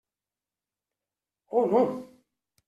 Oh, no.